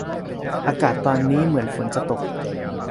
อากาศตอนนี้เหมือนฝนจะตก